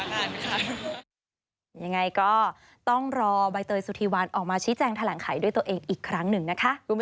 ยังไงก็ต้องรอใบเตยสุธีวันออกมาชี้แจงแถลงไขด้วยตัวเองอีกครั้งหนึ่งนะคะ